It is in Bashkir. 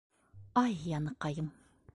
Ай яныҡайым!..